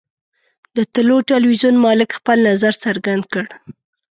د طلوع ټلویزیون مالک خپل نظر څرګند کړ.